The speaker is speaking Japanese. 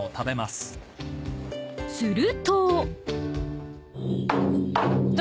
［すると］